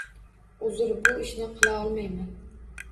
Uzr, bu ishni qila olmayman.